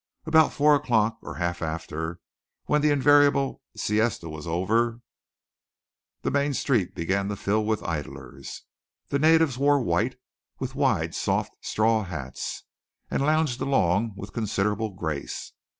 About four o'clock, or half after, when the invariable siesta was over, the main street began to fill with idlers. The natives wore white, with wide soft straw hats, and lounged along with considerable grace.